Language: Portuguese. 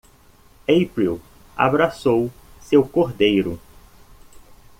April abraçou seu cordeiro.